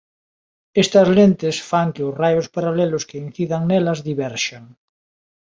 Estas lentes fan que os raios paralelos que incidan nelas diverxan.